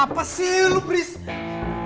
apa sih lo berisik